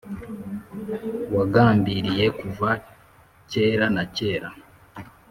wagambiriye kuva kera na kare.